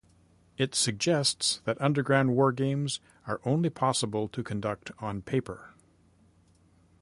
It suggests that underground wargames "are only possible to conduct on paper".